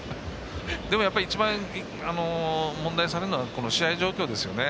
でも、一番、問題にされるのは試合状況ですよね。